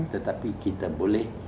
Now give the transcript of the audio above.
tetapi kita boleh